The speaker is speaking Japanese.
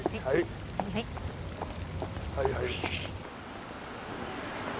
はいはい。